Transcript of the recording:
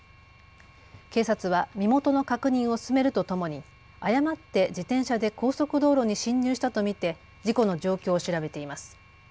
警察は身元の確認を進めるとともに誤って自転車で高速道路に進入したと見て事故の状況を調べています。